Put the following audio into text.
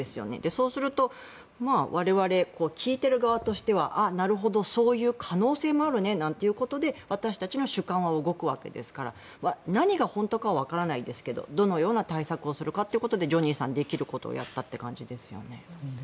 そうすると我々、聞いている側としてはなるほど、そういう可能性もあるねということで私たちの主観は動くわけですから何が本当かはわからないですがどのような対策をするかということでジョニーさんはできることをやったという感じですよね。